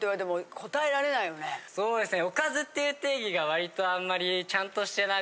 そうですね。